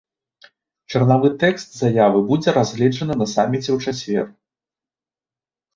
Чарнавы тэкст заявы будзе разгледжаны на саміце ў чацвер.